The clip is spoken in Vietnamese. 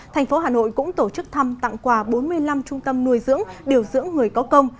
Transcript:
thành phố hà nội cũng tổ chức thăm tặng quà bốn mươi năm trung tâm nuôi dưỡng điều dưỡng người có công